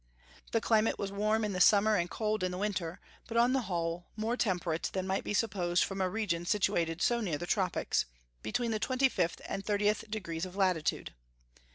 The climate was warm in summer and cold in winter, but on the whole more temperate than might be supposed from a region situated so near the tropics, between the twenty fifth and thirtieth degrees of latitude.